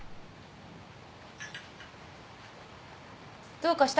どうかした？